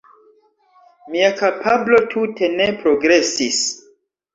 Mia kapablo tute ne progresis